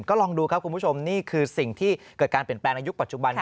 ก็ลองดูครับคุณผู้ชมนี่คือสิ่งที่เกิดการเปลี่ยนแปลงในยุคปัจจุบัน